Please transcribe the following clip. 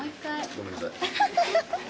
ごめんなさい。